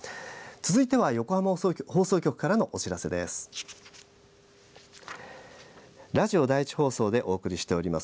続いては、横浜放送局からのお知らせです。